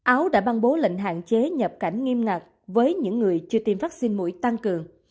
áo đã ban bố lệnh hạn chế nhập cảnh nghiêm ngặt với những người chưa tiêm vaccine mũi tăng cường